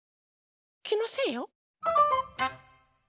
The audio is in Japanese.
きのせいよ！